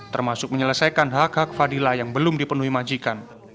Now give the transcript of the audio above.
termasuk menyelesaikan hak hak fadila yang belum dipenuhi majikan